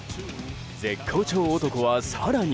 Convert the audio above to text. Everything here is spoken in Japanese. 絶好調男は、更に。